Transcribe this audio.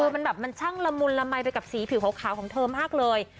มันช่างละมูลละมายไปกับสีผิวเลยขาวของเธอมากเลย